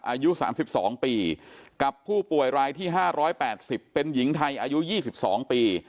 อายุ๓๒ปีกับผู้ป่วยรายที่๕๘๐เป็นหญิงไทยอายุ๒๒ปี